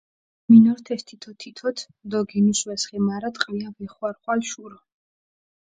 მინორთეს თითო-თითოთ დო გინუსვეს ხე, მარა ტყვია ვეხვარხვალ შურო.